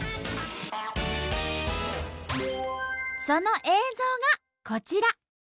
その映像がこちら。